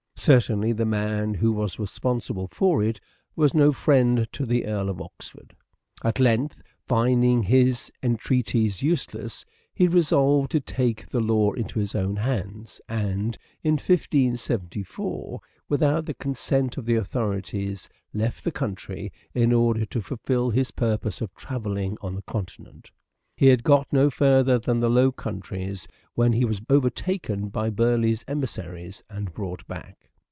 Certainly the man who was responsible for it was no friend to the Earl of Oxford. At length, finding his entreaties useless, he resolved Bertram's ,,,,,•."«• i_j j • unauthorized to take the law into his own hands, and, in 1574, travel, without the consent of the authorities, left the country in order to fulfil his purpose of travelling on the continent. He had got no further than the Low 266 " SHAKESPEARE " IDENTIFIED Countries when he was overtaken by Burleigh's emissaries and brought back.